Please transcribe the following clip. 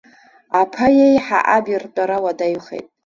Аԥа иеиҳа аб иртәара уадаҩхеит.